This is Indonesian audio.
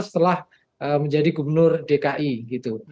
setelah menjadi gubernur dki gitu